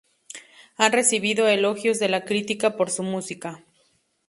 Han recibido elogios de la crítica por su música.